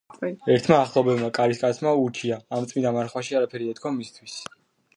ერთმა ახლობელმა კარისკაცმა ურჩია, ამ წმიდა მარხვაში არაფერი ეთქვა მისთვის.